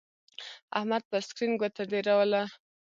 احمد پر سکرین گوته تېروله.